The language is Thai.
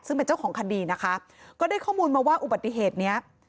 ซึ่งเป็นเจ้าของคดีนะคะก็ได้ข้อมูลมาว่าอุบัติเหตุเนี้ย